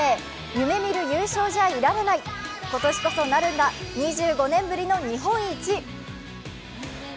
夢見る優勝じゃいられない今年こそなるんだ、２５年ぶりの日本一。